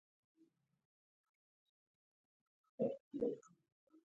زه نه پوهیږم، آیا تاسو ماته یوه بیلګه راولیږئ؟